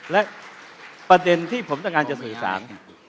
และประเด็นที่ผมต้องการจะสื่อสาร